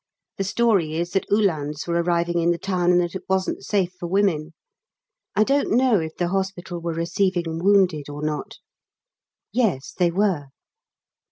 The story is that Uhlans were arriving in the town, and that it wasn't safe for women; I don't know if the hospital were receiving wounded or not. Yes, they were.